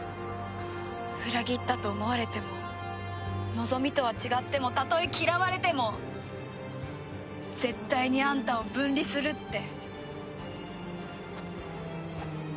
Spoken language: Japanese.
裏切ったと思われても望みとは違ってもたとえ嫌われても絶対にあんたを分離するって。